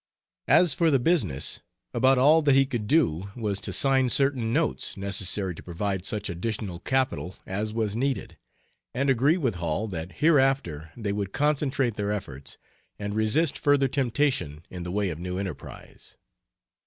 As for the business, about all that he could do was to sign certain notes necessary to provide such additional capital as was needed, and agree with Hall that hereafter they would concentrate their efforts and resist further temptation in the way of new enterprise.